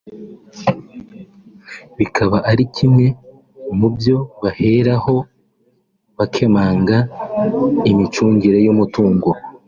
bikaba ari kimwe mu byo baheraho bakemanga imicungire y’umutungo